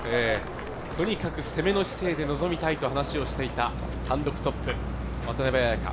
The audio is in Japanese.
とにかく攻めの姿勢で臨みたいと話をしていた単独トップ、渡邉彩香。